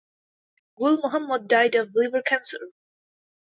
Gul Mohammad died of liver cancer.